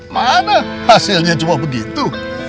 mana hasilnya cuma begitu